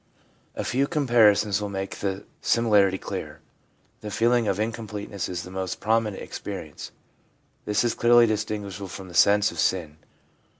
A few comparisons will make the similarity clear. The feeling of incompleteness is the most prominent experi ence ; this is clearly distinguishable from the sense of sin.